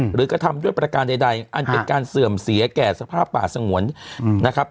กระทำด้วยประการใดอันเป็นการเสื่อมเสียแก่สภาพป่าสงวนนะครับ